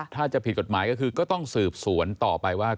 ถ้าจะผิดกฎหมายก็คือก็ต้องสืบสวนต่อไปว่า